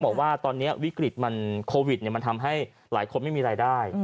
บอกว่าตอนนี้วิกฤตมันโควิดมันทำให้หลายคนไม่มีรายได้